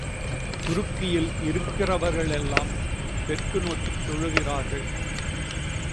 துருக்கியில் இருக்கிறவர்களெல்லாம் தெற்கு நோக்கித் தொழுகிறார்கள்.